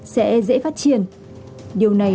sẽ dễ phát triển điều này